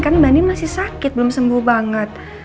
kan mbak andi masih sakit belum sembuh banget